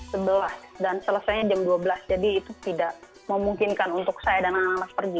jadi saya jam sebelas dan selesainya jam dua belas jadi itu tidak memungkinkan untuk saya dan anak anak pergi